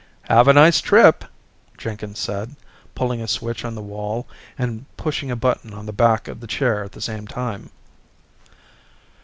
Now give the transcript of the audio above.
"Have a nice trip," Jenkins said, pulling a switch on the wall and pushing a button on the back of the chair at the same time.